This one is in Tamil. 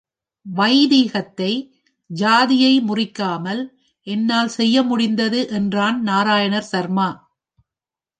வைதீகத்தை, ஜாதியை முறிக்காமல், என்னால் செய்ய முடிந்தது என்றான் நாராயண சர்மா.